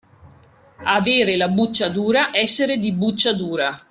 Avere la buccia dura, essere di buccia dura.